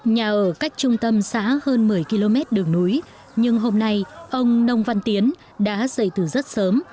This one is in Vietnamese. nhà ở cách trung tâm xã hơn một mươi km đường núi nhưng hôm nay ông nông văn tiến đã dày từ rất sớm